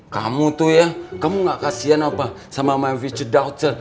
kamu tuh ya kamu gak kasihan apa sama my vicious doubt sir